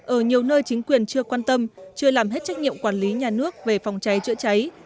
ở nhiều nơi chính quyền chưa quan tâm chưa làm hết trách nhiệm quản lý nhà nước về phòng cháy chữa cháy